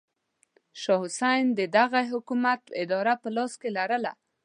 شاه حسین د دغه حکومت اداره په لاس کې لرله.